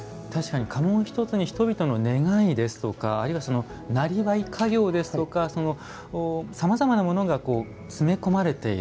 家紋１つに人々の願いですとかあるいは、なりわい家業ですとかさまざまなものが詰め込まれている。